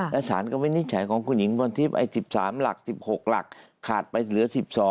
และสารก็วินิจฉัยของคุณหญิงพรทิพย์๑๓หลัก๑๖หลักขาดไปเหลือ๑๒